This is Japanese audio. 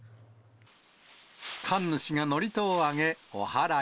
神主がのりとを上げ、おはらい。